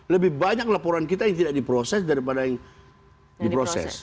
lebih banyak laporan kita yang tidak diproses daripada yang diproses